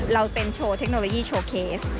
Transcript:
เราเป็นโชว์เทคโนโลยีโชว์เคส